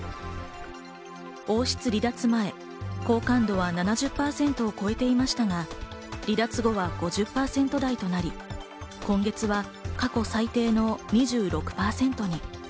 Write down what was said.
王室離脱前、好感度は７０％を超えていましたが、離脱後は５０％台となり、今月は過去最低の２６％に。